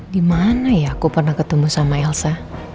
dimana ya aku pernah ketemu sama elsa